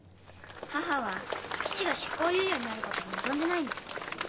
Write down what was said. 母は父が執行猶予になることを望んでないんです。